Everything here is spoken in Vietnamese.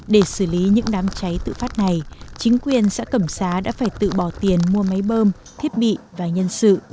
để xử lý những đám cháy tự phát này chính quyền xã cẩm xá đã phải tự bỏ tiền mua máy bơm thiết bị và nhân sự